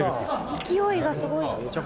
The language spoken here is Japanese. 勢いがすごい。